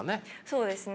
そうですね。